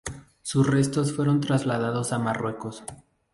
Sus restos fueron trasladados a Marruecos.